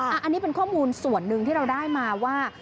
อันนี้เป็นข้อมูลส่วนหนึ่งที่เราได้มาว่า